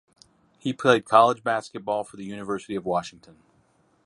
He played college basketball for the University of Washington.